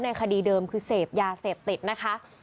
คดีเดิมคือเสพยาเสพติดนะคะ